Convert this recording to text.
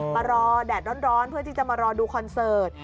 มารอแดดร้อนเพื่อที่จะมารอดูคอนเสิร์ต